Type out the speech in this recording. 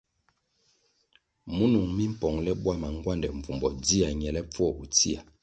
Munung mi mpongle bwama ngwande mbvumbo dzia ñelepfuo bo tsia.